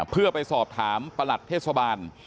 เพื่อไปสอบถามประหลัดเทศบาล